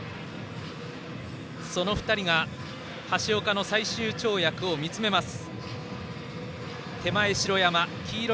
その２人が橋岡の最終跳躍を見つめます。